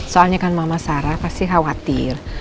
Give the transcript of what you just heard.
soalnya kan mama sarah pasti khawatir